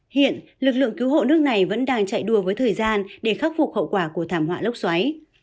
hiện lực lượng cứu hộ nước này vẫn đang chạy đua với thời gian để khắc phục hậu quả của thảm họa lốc xoáy